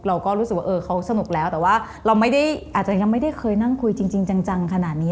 เราก็รู้สึกว่าเออเขาสนุกแล้วแต่ว่าเราไม่ได้อาจจะยังไม่ได้เคยนั่งคุยจริงจังขนาดนี้